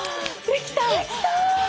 できた！